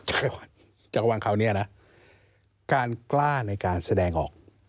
จักรวังคราวนี้นะการกล้าในการแสดงออก